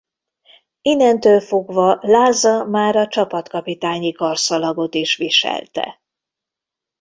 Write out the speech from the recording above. Innentől fogva Láza már a csapatkapitányi karszalagot is viselte.